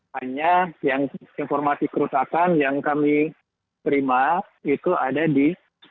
hanya informasi kerusakan yang kami terima itu ada di